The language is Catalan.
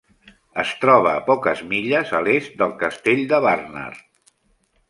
Es troba a poques milles a l'est del castell de Barnard.